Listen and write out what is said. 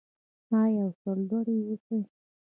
آیا او سرلوړي اوسو؟